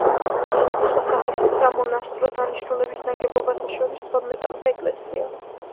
სხვადასხვა სახის სამონასტრო დანიშნულების ნაგებობათა შორის თორმეტამდე ეკლესიაა.